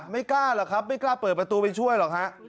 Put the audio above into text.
ไม่กล้าหรอกครับไม่กล้าเปิดประตูไปช่วยหรอกฮะ